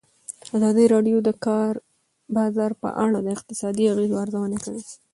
ازادي راډیو د د کار بازار په اړه د اقتصادي اغېزو ارزونه کړې.